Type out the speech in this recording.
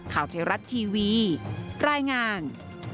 ข่าวเทรัตน์ทีวีรายงาน